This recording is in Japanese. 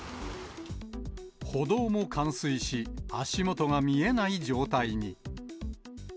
歩道も冠水し、足元が見えない状態に。